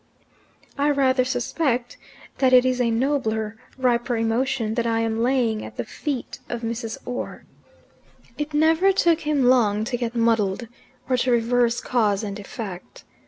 I rather suspect that it is a nobler, riper emotion that I am laying at the feet of Mrs. Orr." It never took him long to get muddled, or to reverse cause and effect.